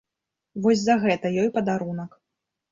Вось за гэта ёй падарунак.